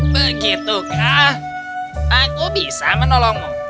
begitukah aku bisa menolongmu